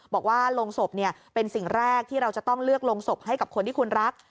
บอกว่าลงศพเป็นสิ่งแรกที่เราจะต้องเลือกลงศพให้กับคนที่คุณรัก